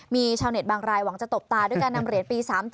มีชาวเน็ตบางรายหวังจะตบตาด้วยการนำเหรียญปี๓๗